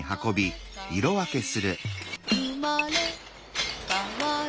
「うまれかわる」